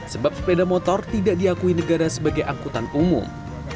sebab sepeda motor tidak diakui negara sebagai angkutan umum